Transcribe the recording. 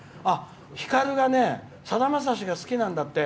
ひかるがね、さだまさしが好きなんだって。